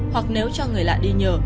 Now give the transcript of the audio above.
hoặc nếu cho người lại đi nhờ